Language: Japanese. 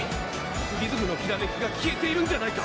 プリズムのきらめきが消えているんじゃないか？